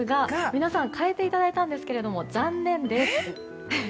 皆さん変えていただいたんですけれども残念です。